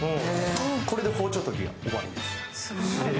これで包丁とぎが終わりです。